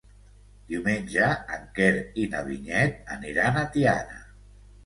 Diumenge en Quer i na Vinyet aniran a Tiana.